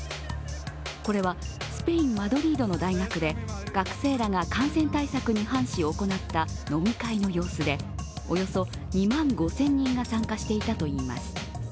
これはスペイン・マドリードの大学で学生らが感染対策に反し行った飲み会の様子でおよそ２万５０００人が参加していたといいます。